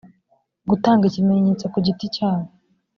gutanga ikimenyetso ku giti cyabo